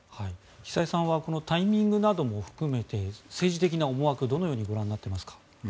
久江さんはこのタイミングなども含めて政治的な思惑どのようにご覧になっていますか？